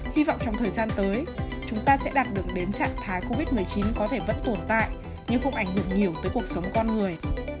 hy vọng trong thời gian tới chúng ta sẽ đạt được đến trạng thái covid một mươi chín có thể vẫn tồn tại nhưng không ảnh hưởng nhiều tới cuộc sống con người